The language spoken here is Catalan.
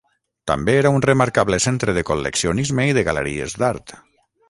També era un remarcable centre de col·leccionisme i de galeries d'art.